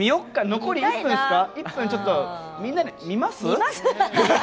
残り１分みんなで見ます？